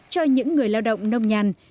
cho những người lao động nông nhàn